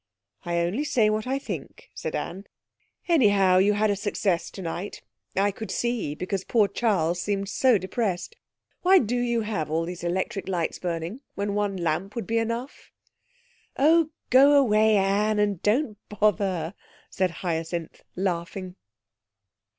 'I only say what I think,' said Anne. 'Anyhow, you had a success tonight, I could see, because poor Charles seemed so depressed. Why do you have all these electric lights burning when one lamp would be enough?' 'Oh, go away, Anne, and don't bother,' said Hyacinth, laughing.